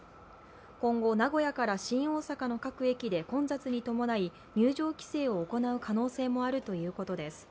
今後、名古屋から新大阪の各駅で今月にともない入場規制を行う可能性もあるということです。